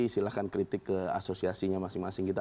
silahkan kritik ke asosiasinya masing masing kita